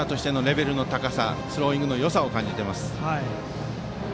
非常にキャッチャーとしてのレベルの高さスローイングのよさを感じます。